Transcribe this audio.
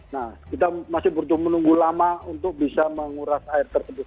nah kita masih butuh menunggu lama untuk bisa menguras air tersebut